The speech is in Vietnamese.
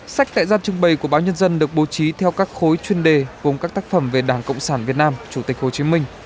sách tại gian trưng bày của báo nhân dân được bố trí theo các khối chuyên đề gồm các tác phẩm về đảng cộng sản việt nam chủ tịch hồ chí minh